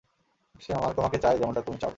সে তোমাকে চায় যেমনটা তুমি চাউ।